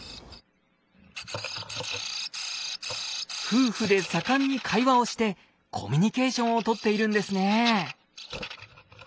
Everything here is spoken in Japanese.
夫婦で盛んに会話をしてコミュニケーションを取っているんですね。